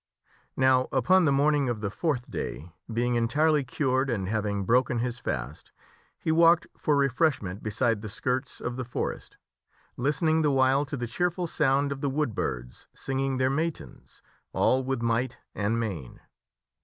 Now, upon the morning of the fourth day, being entirely cured, and having broken his fast, he walked for re freshment beside the skirts of the forest, listening the while to the cheer ful sound of the wood birds singing their matins, all with might and main.